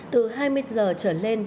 từ hai mươi h trở lên